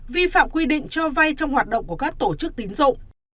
vi phạm quy định cho vay trong hoạt động của các tổ chức tín dụng